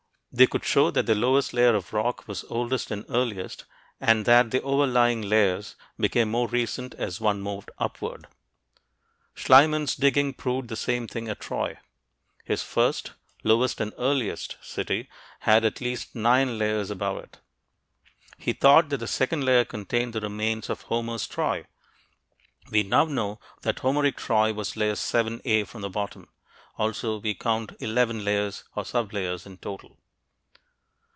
They could show that their lowest layer of rock was oldest or earliest, and that the overlying layers became more recent as one moved upward. Schliemann's digging proved the same thing at Troy. His first (lowest and earliest) city had at least nine layers above it; he thought that the second layer contained the remains of Homer's Troy. We now know that Homeric Troy was layer VIIa from the bottom; also, we count eleven layers or sub layers in total.